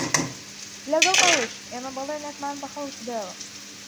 لەگەڵ ئەوەش ئێمە بەڵێنێکمان بە خەڵک داوە